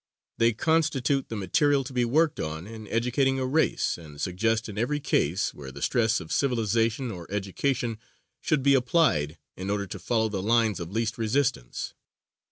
They constitute the material to be worked on in educating a race, and suggest in every case where the stress of civilization or education should be applied in order to follow the lines of least resistance.